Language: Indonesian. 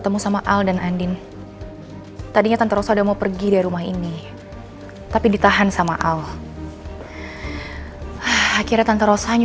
dok saya tunggu di luar ya dok ya